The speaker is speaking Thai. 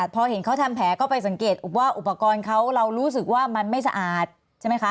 พอเห็นเขาทำแผลก็ไปสังเกตว่าอุปกรณ์เขาเรารู้สึกว่ามันไม่สะอาดใช่ไหมคะ